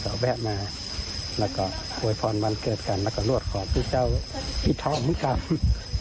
พระสาวแวะมาแล้วก็โทรพรวัลเกิดกันและก็ลวดรวดพิเศรษพิธองกลัง